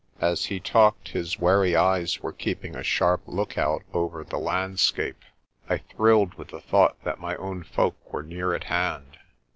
As he talked, his wary eyes were keeping a sharp lookout over the landscape. I thrilled with the thought that my own folk were near at hand.